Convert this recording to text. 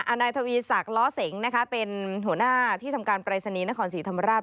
นายทวีศักดิ์ล้อเสงนะคะเป็นหัวหน้าที่ทำการปรายศนีย์นครศรีธรรมราช